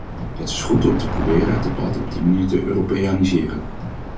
Het is goed om te proberen het debat op die manier te europeaniseren.